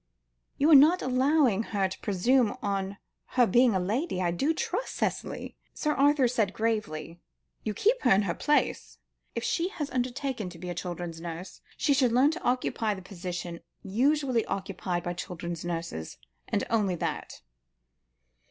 "You are not allowing her to presume on her being a lady, I do trust, Cicely?" Sir Arthur said gravely. "You keep her in her place? If she has undertaken to be a children's nurse, she should learn to occupy the position usually occupied by children's nurses, and only that."